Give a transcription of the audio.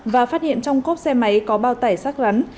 và phát hiện trong cốt xe máy có bao tải sát rắn